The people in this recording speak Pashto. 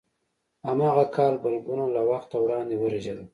هماغه کال بلګونه له وخته وړاندې ورژېدل.